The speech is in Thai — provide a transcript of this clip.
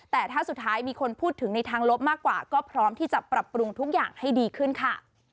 แต่ถ้าสุดท้ายมีคนพูดถึงในทางลบมากกว่าก็พร้อมที่จะปรับปรุงทุกอย่างให้ดีขึ้นค่ะ